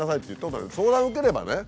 相談を受ければね